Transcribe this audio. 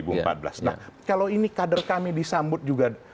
nah kalau ini kader kami disambut juga